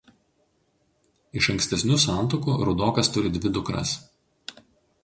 Iš ankstesnių santuokų Rudokas turi dvi dukras.